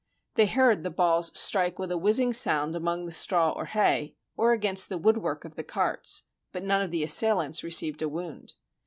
They heard the balls strike with a whizzing sound among the straw or hay, or against the woodwork of the carts; but none of the assailants received a wound.